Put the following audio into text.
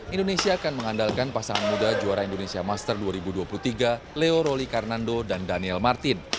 indonesia akan mengandalkan pasangan muda juara indonesia master dua ribu dua puluh tiga leo roli karnando dan daniel martin